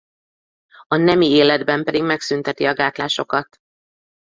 A nemi életben pedig megszünteti a gátlásokat.